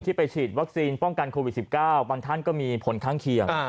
ไปฉีดวัคซีนป้องกันโควิด๑๙บางท่านก็มีผลข้างเคียง